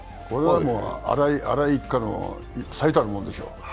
新井一家の最たるものですよ。